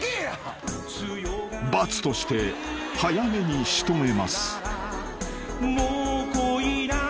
［罰として早めに仕留めます］